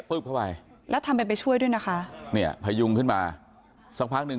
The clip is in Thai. ปุ๊บเข้าไปแล้วทำเป็นไปช่วยด้วยนะคะเนี่ยพยุงขึ้นมาสักพักหนึ่ง